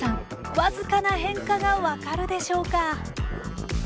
僅かな変化が分かるでしょうか？